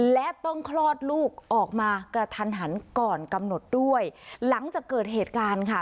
และต้องคลอดลูกออกมากระทันหันก่อนกำหนดด้วยหลังจากเกิดเหตุการณ์ค่ะ